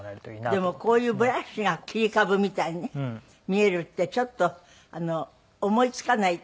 でもこういうブラシが切り株みたいに見えるってちょっと思い付かない。